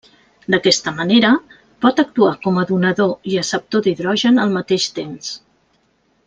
D'aquesta manera, pot actuar com a donador i acceptor d'hidrogen al mateix temps.